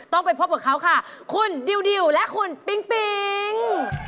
ต้องไปพบกับเขาค่ะคุณดิวและคุณปิ๊งปิ๊ง